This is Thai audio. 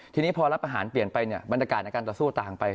ทีนี้พอรับอาหารเปลี่ยนไปเนี่ยบรรยากาศในการต่อสู้ต่างไป